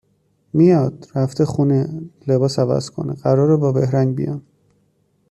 میاد، رفته خونه، لباس عوض کنه؛ قراره با بهرنگ بیان